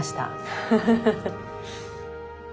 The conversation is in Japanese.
フフフフフッ。